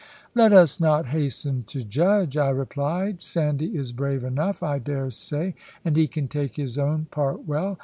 "Let us not hasten to judge," I replied; "Sandy is brave enough, I daresay, and he can take his own part well.